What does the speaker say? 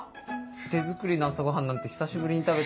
手作りの朝ごはんなんて久しぶりに食べた。